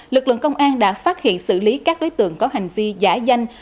lực lượng công an đã phát hiện xử lý các đối tượng có hành vi giả danh